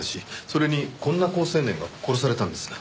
それにこんな好青年が殺されたんです。